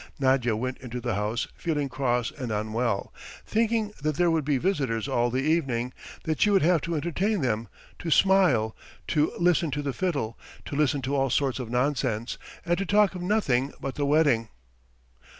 Nadya went into the house, feeling cross and unwell, thinking that there would be visitors all the evening, that she would have to entertain them, to smile, to listen to the fiddle, to listen to all sorts of nonsense, and to talk of nothing but the wedding.